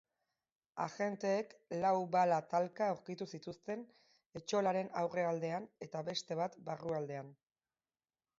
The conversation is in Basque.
Agenteek lau bala-talka aurkitu zituzten etxolaren aurrealdean eta beste bat barrualdean.